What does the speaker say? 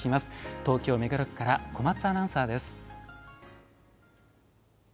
東京・目黒区から小松アナウンサーです。